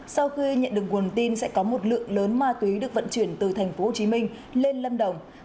sau khi nhận được nguồn tin sẽ có một lượng lớn ma túy được vận chuyển từ tp hcm lên lâm đồng